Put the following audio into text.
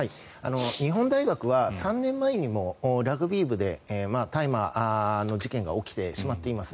日本大学は３年前にもラグビー部で大麻の事件が起きてしまっています。